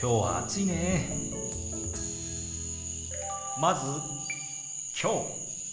まず「きょう」。